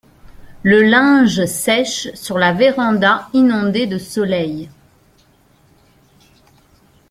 Le linge sèche sur la véranda inondée de soleil.